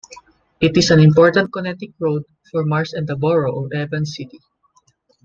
It is an important connecting road for Mars and the borough of Evans City.